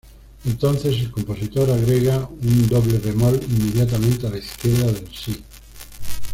Entonces el compositor agrega un doble bemol inmediatamente a la izquierda del "si".